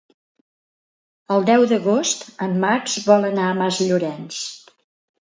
El deu d'agost en Max vol anar a Masllorenç.